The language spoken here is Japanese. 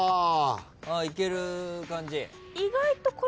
いける感じ？